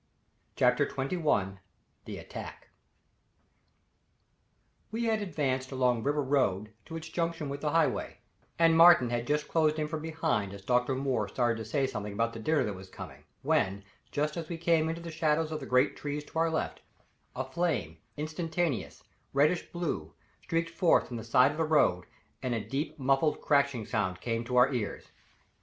CHAPTER XXI The Attack We had advanced along River Road to its junction with the Highway, and Martin had just closed in from behind as Dr. Moore started to say something about the dinner that was coming, when, just as we came into the shadows of the great trees to our left, a flame, instantaneous, reddish blue, streaked forth from the side of the road and a deep, muffled, crashing sound came to our ears.